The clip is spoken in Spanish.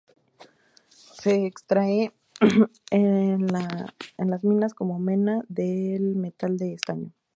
Se extrae en las minas como mena del metal de estaño.